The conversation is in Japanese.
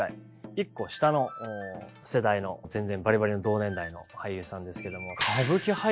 １個下の世代の全然バリバリの同年代の俳優さんですけども。